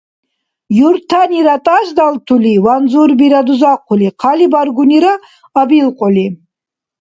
Юртанира тӀашдалтули, ванзурбира дузахъули, хъалибаргунира абилкьули…